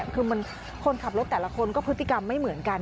คือคนขับรถแต่ละคนก็พฤติกรรมไม่เหมือนกัน